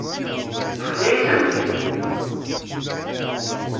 Ṭṭfen-iyi-tent-id.